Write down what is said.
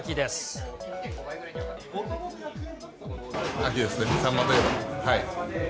秋ですね、サンマといえば。